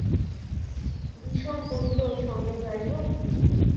বিষণ কহিল সঙ্গে যাইব?